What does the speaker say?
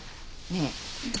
ねえ？